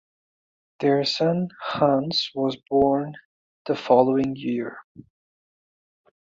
Their son Hans was born the following year.